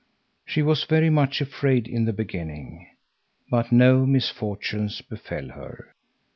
She was very much afraid in the beginning. But no misfortunes befell her.